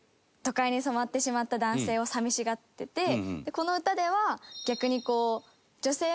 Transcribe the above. この歌では逆に。